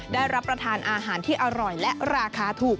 ได้รับประทานอาหารที่อร่อยและราคาถูก